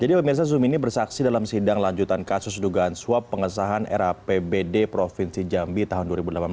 jadi pemirsa zumi ini bersaksi dalam sidang lanjutan kasus dugaan swab pengesahan rapbd provinsi jambi tahun dua ribu delapan belas